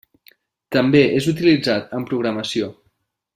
També és utilitzat en programació.